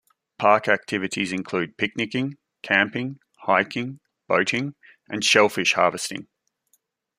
Park activities include picnicking, camping, hiking, boating, and shellfish harvesting.